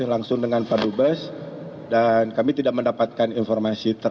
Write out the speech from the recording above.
langsung dengan padu bus dan kami tidak mendapatkan informasi lain